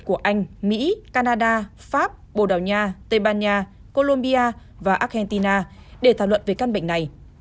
của anh mỹ canada pháp bồ đào nha tây ban nha colombia và argentina để thảo luận về căn bệnh này